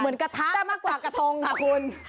เหมือนกระทะแต่มากกว่ากระทงค่ะคุณ